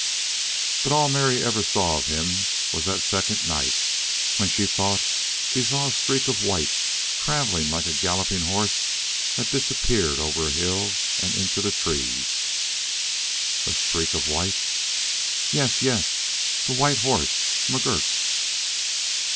"But all Mary ever saw of him was that second night when she thought she saw a streak of white, traveling like a galloping horse, that disappeared over a hill and into the trees " "A streak of white " "Yes, yes! The white horse McGurk!"